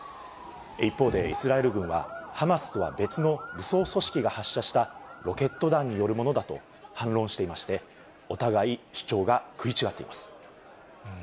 一方でイスラエル軍は、ハマスとは別の武装組織が発射したロケット弾によるものだと反論していまして、お互い主張が食い違っています。